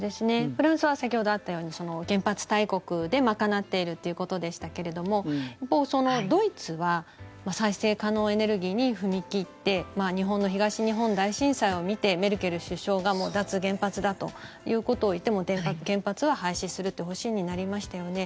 フランスは先ほどあったように原発大国で賄っているということでしたけれどもドイツは再生可能エネルギーに踏み切って日本の東日本大震災を見てメルケル首相がもう脱原発だということを言って原発は廃止するという方針になりましたよね。